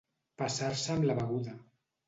Passar-se amb la beguda